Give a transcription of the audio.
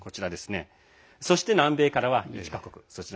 そして、南米からは１か国。